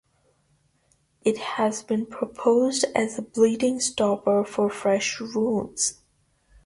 It has been proposed as a bleeding stopper for fresh wounds.